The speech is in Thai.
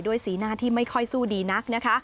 สีหน้าที่ไม่ค่อยสู้ดีนักนะคะ